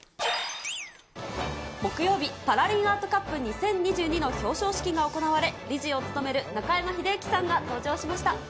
木曜日、パラリンアートカップ２０２２の表彰式が行われ、理事を務める中山秀征さんが登場しました。